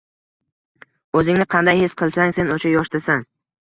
O’zingni qanday his qilsang sen o’sha yoshdasan.